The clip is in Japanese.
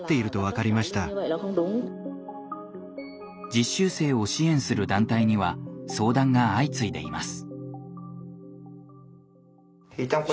実習生を支援する団体には相談が相次いでいます。